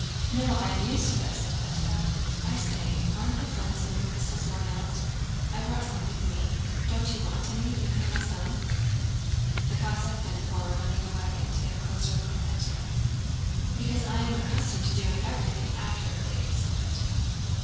"No, I am used to this," said Pétya. "I say, aren't the flints in your pistols worn out? I brought some with me. Don't you want any? You can have some." The Cossack bent forward from under the wagon to get a closer look at Pétya. "Because I am accustomed to doing everything accurately," said Pétya.